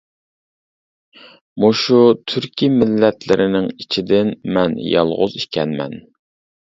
مۇشۇ تۈركىي مىللەتلىرىنىڭ ئىچىدىن مەن يالغۇز ئىكەنمەن.